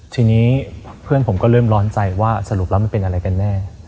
ทีนี้เพื่อนผมก็เริ่มร้อนใจว่าสรุปแล้วมันเป็นอะไรกันแน่